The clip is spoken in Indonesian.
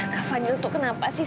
kak fadil tuh kenapa sih